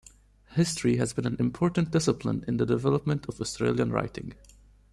History has been an important discipline in the development of Australian writing.